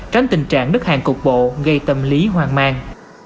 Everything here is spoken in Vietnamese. tránh tình trạng nứt hàng cục bộ gây tâm lý hoang mang